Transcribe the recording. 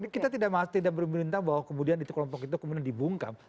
kita tidak berminta bahwa kemudian kelompok itu kemudian dibungkam